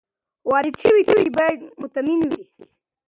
وارد شوي توکي باید مطمین وي.